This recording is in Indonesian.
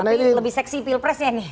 tapi lebih seksi pilpresnya nih